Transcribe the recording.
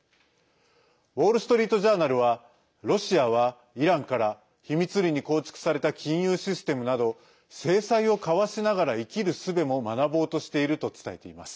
ウォール・ストリート・ジャーナルはロシアはイランから秘密裏に構築された金融システムなど制裁をかわしながら生きるすべも学ぼうとしていると伝えています。